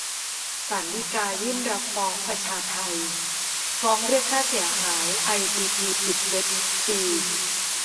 ศาลฎีกายืนรับฟ้อง 'ประชาไท' ฟ้องเรียกค่าเสียหายไอซีที ปิดเว็บปี